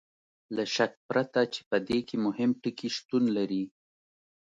له شک پرته چې په دې کې مهم ټکي شتون لري.